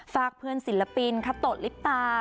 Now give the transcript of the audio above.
ฝากเพื่อนศิลปินคาโตะลิปตา